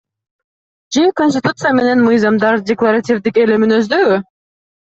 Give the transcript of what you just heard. Же Конституция менен мыйзамдар декларативдик эле мүнөздөбү?